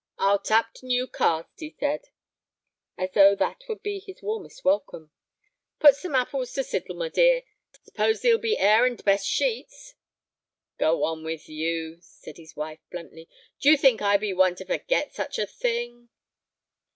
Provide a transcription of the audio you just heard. "I'll tap t' new cask," he said, as though that would be his warmest welcome. "Put some apples t' sizzle, my dear. Suppose thee'll be airin' t' best sheets." "Go on with you," said his wife, bluntly; "do you think I be one to forget such a thing?"